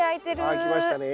あきましたね。